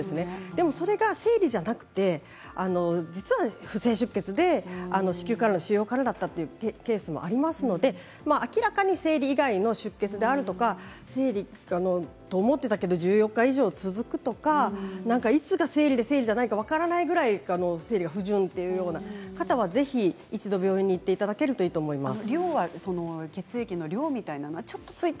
でも、それが生理じゃなくて実は不正出血で子宮からの、腫瘍からだったというケースもありますので明らかに生理以外の出血であるとか、そう思っていたけども１４日以上続くとかいつが生理で生理じゃないかそれから不順という方はぜひ一度病院に行っていただければいいと思います。